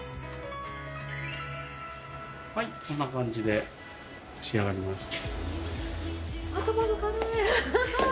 はいこんな感じで仕上がりました。